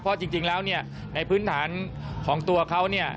เพราะจริงแล้วในพื้นฐานของตัวเขา